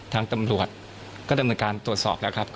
ทางตำรวจก็ดำเนินการตรวจสอบแล้วครับ